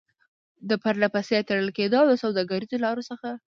د پرلپسې تړل کېدو او د سوداګريزو لارو څخه